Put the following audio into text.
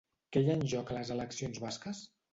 Què hi ha en joc a les eleccions basques?